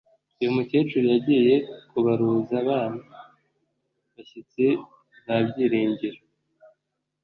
uyu mukecuru yagiye kubaruza aba bashyitsi ba Byiringiro